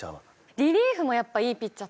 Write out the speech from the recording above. リリーフもやっぱいいピッチャー